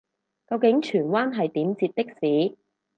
究竟荃灣係點截的士